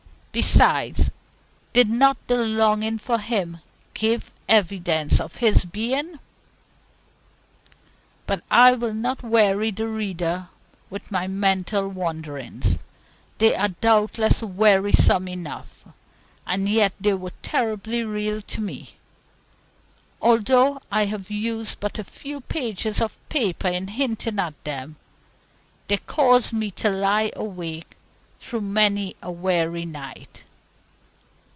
Besides, did not the longing for Him give evidence of His being? But I will not weary the reader with my mental wanderings; they are doubtless wearisome enough, and yet they were terribly real to me Although I have used but a few pages of paper in hinting at them, they caused me to lie awake through many a weary night.